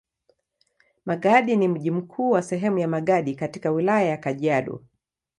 Magadi ni mji mkuu wa sehemu ya Magadi katika Wilaya ya Kajiado.